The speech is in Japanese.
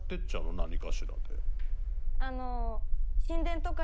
何かしらで。